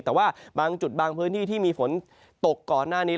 แต่ว่าบางจุดบางพื้นที่ที่มีฝนตกก่อนหน้านี้